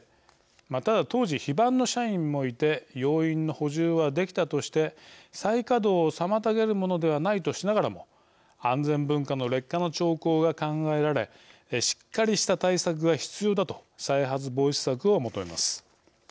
ただ、当時、非番の社員もいて要員の補充はできたとして再稼働を妨げるものではないとしながらも安全文化の劣化の兆候が考えられしっかりした対策が必要だと再発防止策を求めます。